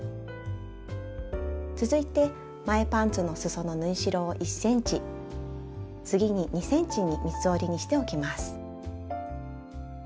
続いて前パンツのすその縫い代を１ｃｍ次に２ｃｍに三つ折りにしておきます。